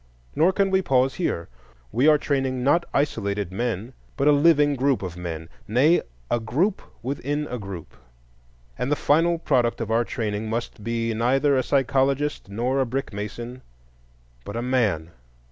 Nor can we pause here. We are training not isolated men but a living group of men,—nay, a group within a group. And the final product of our training must be neither a psychologist nor a brickmason, but a man.